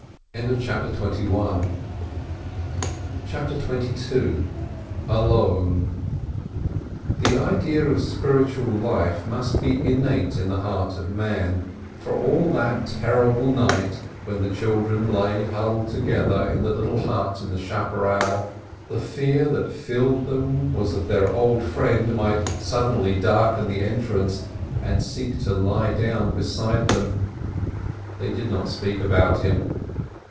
CHAPTER XXII ALONE The idea of spiritual life must be innate in the heart of man, for all that terrible night, when the children lay huddled together in the little hut in the chapparel, the fear that filled them was that their old friend might suddenly darken the entrance and seek to lie down beside them. They did not speak about him.